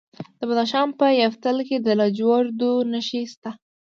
د بدخشان په یفتل کې د لاجوردو نښې شته.